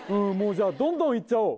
じゃあどんどんいっちゃおう。